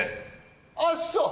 あっそう！